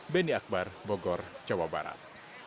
beni akbar bogor jawa barat